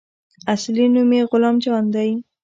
اصلي نوم يې غلام جان دى.